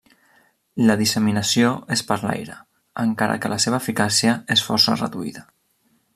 La disseminació és per l'aire, encara que la seva eficàcia és força reduïda.